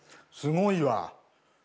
すごいわ。